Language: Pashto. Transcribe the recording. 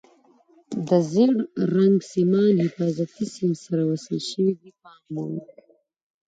د زیړ رنګ سیمان حفاظتي سیم سره وصل شوي دي پام مو وي.